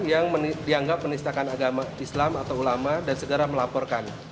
yang dianggap menistakan agama islam atau ulama dan segera melaporkan